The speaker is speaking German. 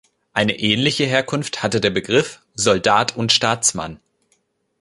Eine ähnliche Herkunft hatte der Begriff „Soldat und Staatsmann“.